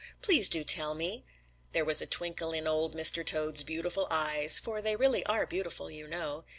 Please do tell me!" There was a twinkle in Old Mr. Toad's beautiful eyes, for they really are beautiful, you know.